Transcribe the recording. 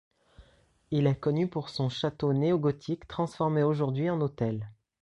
Il est connu pour son château néogothique transformé aujourd'hui en hôtel.